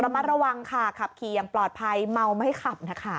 มัดระวังค่ะขับขี่อย่างปลอดภัยเมาไม่ขับนะคะ